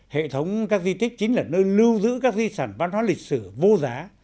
hệ thống các di tích chính là nơi lưu giữ các di sản văn hóa lịch sử vô giá